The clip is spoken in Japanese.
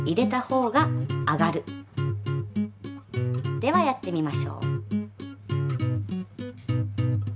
ではやってみましょう。